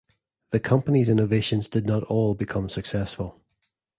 The company's innovations did not all become successful.